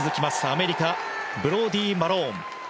アメリカのブローディー・マローン。